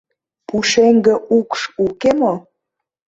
Пушеҥге укш уке мо?